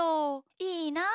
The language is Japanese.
いいなあ。